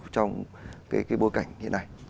trong cái bối cảnh như thế này